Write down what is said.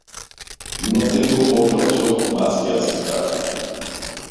No tengo otra opción más que aceptar.